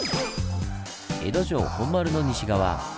江戸城本丸の西側！